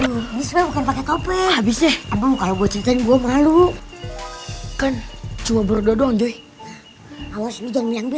habisnya apa kalau gue ceritain gua meralu kan cuma berdoa doang